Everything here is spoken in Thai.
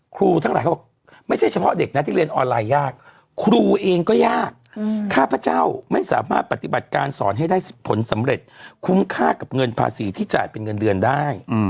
ครูทั้งหลายเขาบอกไม่ใช่เฉพาะเด็กนะที่เรียนออนไลน์ยากครูเองก็ยากข้าพเจ้าไม่สามารถปฏิบัติการสอนให้ได้ผลสำเร็จคุ้มค่ากับเงินภาษีที่จ่ายเป็นเงินเดือนได้